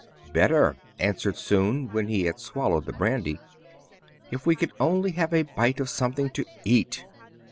"Better," answered Soun, when he had swal lowed the brandy. " If we could only have a bite of something to eat